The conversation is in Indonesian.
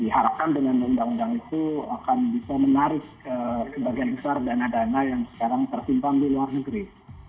diharapkan dengan undang undang itu akan bisa menarik sebagian besar dana dana yang sekarang tersimpan di luar negeri